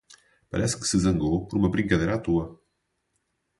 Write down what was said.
Parece que se zangou por uma brincadeira à toa